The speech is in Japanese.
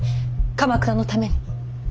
鎌倉のために。